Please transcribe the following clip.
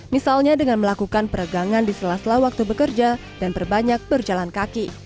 misalnya dengan melakukan peregangan di sela sela waktu bekerja dan berbanyak berjalan kaki